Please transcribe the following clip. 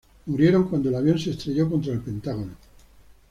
Murieron cuando el avión se estrelló contra El Pentágono.